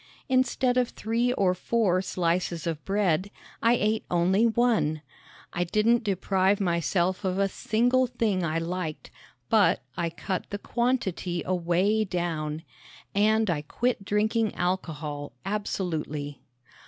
Instead of three or four slices of bread, I ate only one. I didn't deprive myself of a single thing I liked, but I cut the quantity away down. And I quit drinking alcohol absolutely.